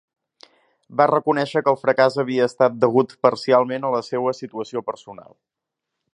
Va reconèixer que el fracàs havia estat degut parcialment a la seua situació personal.